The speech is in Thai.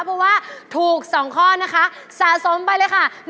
เพราะว่าถูก๒ข้อนะคะสะสมไปเลยค่ะ